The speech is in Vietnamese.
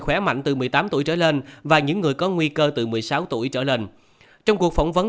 khỏe mạnh từ một mươi tám tuổi trở lên và những người có nguy cơ từ một mươi sáu tuổi trở lên trong cuộc phỏng vấn